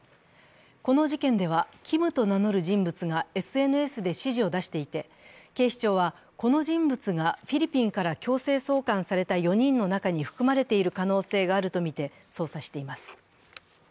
この事件では、キムと名乗る人物がＳＮＳで指示を出していて、警視庁はこの人物がフィリピンから強制送還された４人の中に含まれている可能性があるとみて捜査しています。